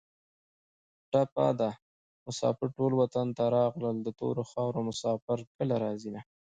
ټپه ده: مسافر ټول وطن ته راغلل د تورو خارو مسافر کله راځینه